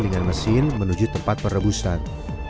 dengan mesin menuju tempat perebusan